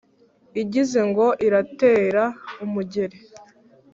igize ngo iratera umugeri,